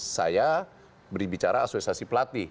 saya berbicara asosiasi pelatih